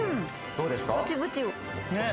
どうですか？